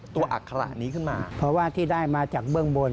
อัคระนี้ขึ้นมาเพราะว่าที่ได้มาจากเบื้องบน